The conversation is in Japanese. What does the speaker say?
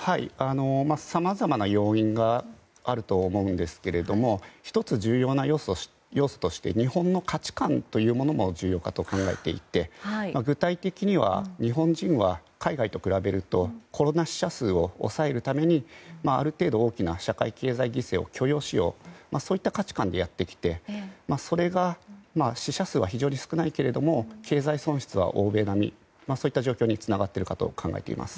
さまざまな要因があると思うんですけど１つ、重要な要素として日本の価値観というものが重要かと考えていて具体的には日本人は、海外と比べるとコロナ死者数を抑えるためにある程度大きな社会経済犠牲を許容しようそういった価値観でやってきてそれが、死者数は非常に少ないけれども経済損失は欧米並みそういった状況につながっていると考えています。